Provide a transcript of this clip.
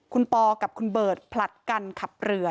คุณปอกับคุณเบิร์ตผลัดกันขับเรือ